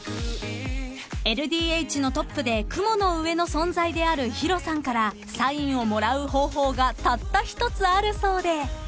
［ＬＤＨのトップで雲の上の存在であるＨＩＲＯさんからサインをもらう方法がたった一つあるそうで］